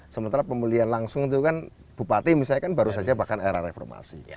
sementara pemulihan langsung itu kan bupati misalnya kan baru saja bahkan era reformasi